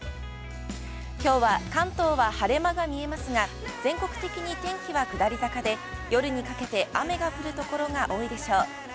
きょうは関東は晴れ間が見えますが、全国的に天気は下り坂で、夜にかけて雨が降る所が多いでしょう。